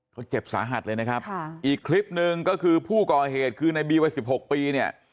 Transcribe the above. เขาเจ็บสาหัสเลยนะครับค่ะอีกคลิปหนึ่งก็คือผู้ก่อเหตุคือในบีวัยสิบหกปีเนี่ย